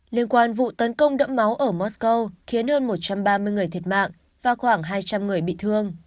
liên quan vụ tấn công đẫm máu ở mosco khiến hơn một trăm ba mươi người thiệt mạng và khoảng hai trăm linh người bị thương